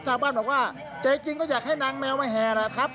ชาวบ้านบอกว่าใจจริงก็อยากให้นางแมวมาแห่แหละครับ